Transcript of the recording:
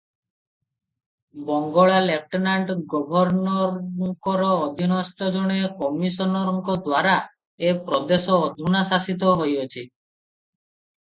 ବଙ୍ଗଳା lieutenant ଗବର୍ଣ୍ଣରଙ୍କର ଅଧୀନସ୍ଥ ଜଣେ କମିଶନରଙ୍କଦ୍ୱାରା ଏ ପ୍ରଦେଶ ଅଧୁନା ଶାସିତ ହେଉଅଛି ।